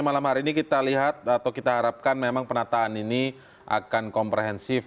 malam hari ini kita lihat atau kita harapkan memang penataan ini akan komprehensif